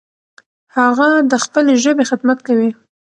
هغه د خپلې ژبې خدمت کوي.